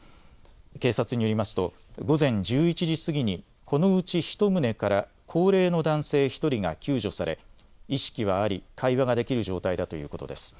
警察によりますと午前１１時過ぎにこのうち１棟から高齢の男性１人が救助され意識はあり会話ができる状態だということです。